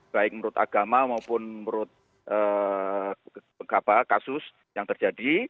baik menurut agama maupun menurut kasus yang terjadi